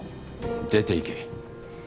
出ていけ。